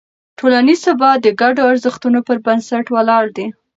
ټولنیز ثبات د ګډو ارزښتونو پر بنسټ ولاړ دی.